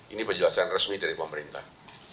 ini penjelasan resmi dari pemerintah